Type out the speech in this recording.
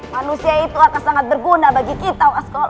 manusia itu akan sangat berguna bagi kita